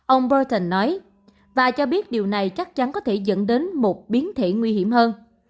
ông berton nói và cho biết điều này chắc chắn có thể dẫn đến một biến thể nguy hiểm hơn